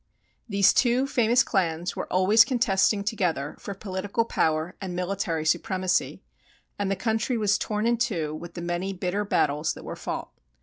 These two famous clans were always contesting together for political power and military supremacy, and the country was torn in two with the many bitter battles that were fought.